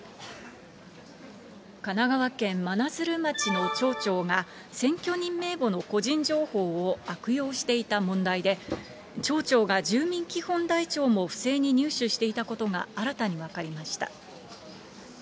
神奈川県真鶴町の町長が、選挙人名簿の個人情報を悪用していた問題で、町長が住民基本台帳も不正に入手していたことが新たに分かりました。